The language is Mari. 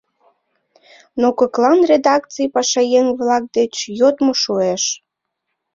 Но коклан редакций пашаеҥ-влак деч йодмо шуэш: